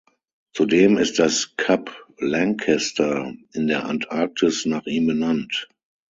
Zudem ist das Kap Lankester in der Antarktis nach ihm benannt.